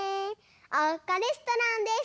おうかレストランです。